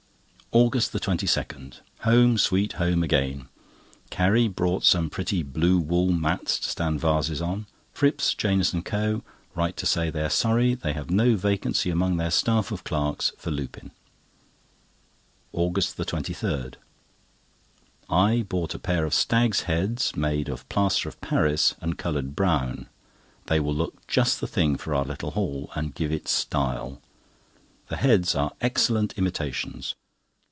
AUGUST 22.—Home sweet Home again! Carrie bought some pretty blue wool mats to stand vases on. Fripps, Janus and Co. write to say they are sorry they have no vacancy among their staff of clerks for Lupin. AUGUST 23.—I bought a pair of stags' heads made of plaster of Paris and coloured brown. They will look just the thing for our little hall, and give it style; the heads are excellent imitations.